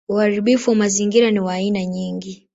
Uharibifu wa mazingira ni wa aina nyingi.